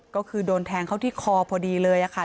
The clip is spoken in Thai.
ก็คือโดนแทงเขาที่คอพอดีเลยค่ะ